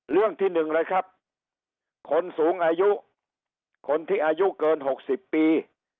เรื่องที่หนึ่งเลยครับคนสูงอายุคนที่อายุเกิน๖๐ปี